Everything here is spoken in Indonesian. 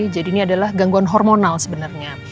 jadi ini adalah gangguan hormonal sebenarnya